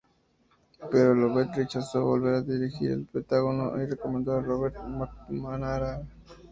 Pero Lovett rechazó volver a dirigir el Pentágono y recomendó a Robert McNamara.